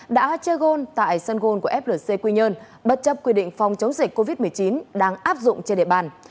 đã chơi gold tại sân gôn của flc quy nhơn bất chấp quy định phòng chống dịch covid một mươi chín đang áp dụng trên địa bàn